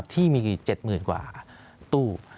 ที่มี๗๐๐๐๐กว่าตู้